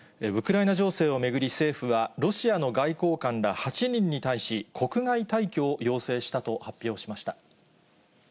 ウクライナ情勢を巡り、政府は、ロシアの外交官ら８人に対し、国外退去を要請したと発表しました。